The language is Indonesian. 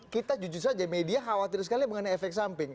kita jujur saja media khawatir sekali mengenai efek samping